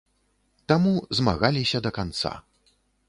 Таму змагаліся да канца.